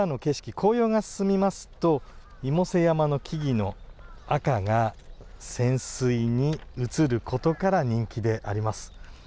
紅葉が進みますと妹背山の木々の赤が泉水に映ることから人気であります。